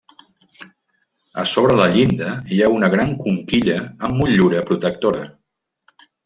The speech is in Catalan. A sobre la llinda hi ha una gran conquilla amb motllura protectora.